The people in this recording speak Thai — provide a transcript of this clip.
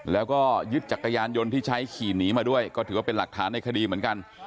แล้วก็ยึดจักรยานยนต์ที่ใช้ขี่หนีมาด้วยก็ถือว่าเป็นหลักฐานในคดีเหมือนกัน